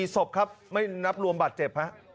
๔ศพครับไม่นับรวมบัตรเจ็บครับ